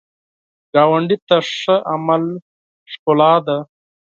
ګاونډي ته ښه عمل ښکلا ده